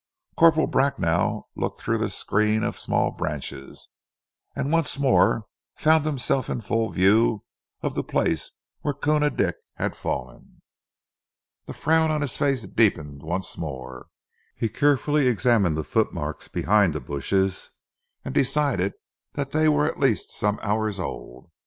Corporal Bracknell looked through the screen of small branches, and once more found himself in full view of the place where Koona Dick had fallen. The frown on his face deepened once more. He carefully examined the footmarks behind the bushes, and decided that they were at least some hours old.